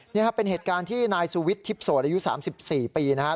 นี่ครับเป็นเหตุการณ์ที่นายสุวิทย์ทิพย์โสดอายุ๓๔ปีนะครับ